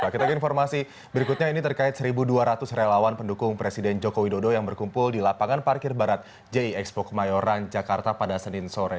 kita ke informasi berikutnya ini terkait satu dua ratus relawan pendukung presiden joko widodo yang berkumpul di lapangan parkir barat j expo kemayoran jakarta pada senin sore